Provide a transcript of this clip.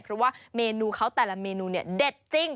เพราะว่าเมนูเขาแต่ละเมนูเนี่ยเด็ดจริง